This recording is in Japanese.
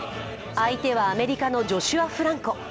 相手はアメリカのジョシュア・フランコ。